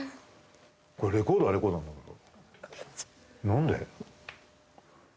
これレコードはレコードなんだけど。